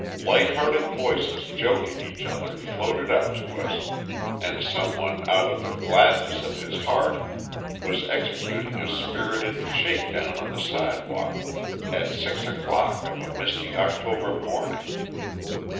Light hearted voices joking each other floated up to us, and some one out of the gladness of his heart was executing a spirited shake down on the sidewalk at six o'clock of a misty October morning.